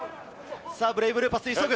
ブレイブルーパス、急ぐ！